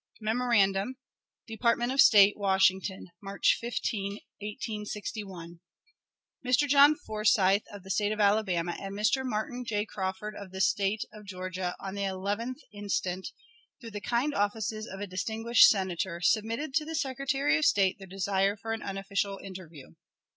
Memorandum. Department of State, Washington, March 15, 1861. Mr. John Forsyth, of the State of Alabama, and Mr. Martin J. Crawford, of the State of Georgia, on the 11th inst., through the kind offices of a distinguished Senator, submitted to the Secretary of State their desire for an unofficial interview.